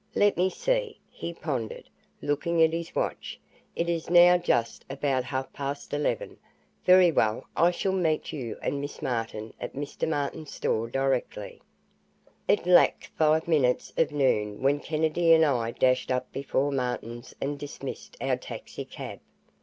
Let me see," he pondered, looking at his watch. "It is now just about half past eleven. Very well. I shall meet you and Miss Martin at Mr. Martin's store directly." It lacked five minutes of noon when Kennedy and I dashed up before Martin's and dismissed our taxi cab.